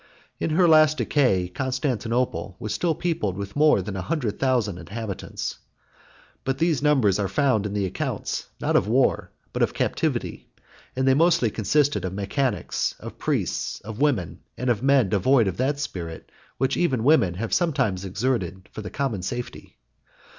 In her last decay, Constantinople was still peopled with more than a hundred thousand inhabitants; but these numbers are found in the accounts, not of war, but of captivity; and they mostly consisted of mechanics, of priests, of women, and of men devoid of that spirit which even women have sometimes exerted for the common safety.